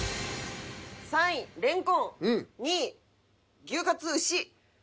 ３位レンコン２位牛カツ牛